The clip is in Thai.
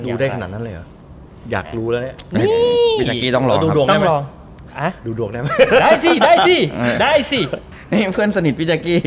ดูได้ขนาดนั้นเลยหรอ